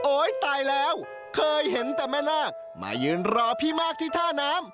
ตายแล้วเคยเห็นแต่แม่นาคมายืนรอพี่มากที่ท่าน้ำ